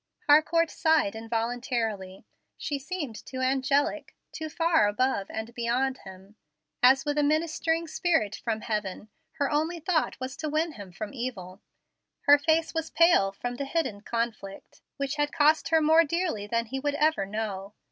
Harcourt sighed involuntarily. She seemed too angelic, too far above and beyond him. As with a ministering spirit from heaven, her only thought was to win him from evil. Her face was pale from the hidden conflict which had cost her more dearly than he would ever know.